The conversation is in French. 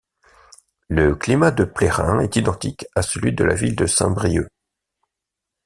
Le climat de Plérin est identique de celui de la ville de Saint-Brieuc.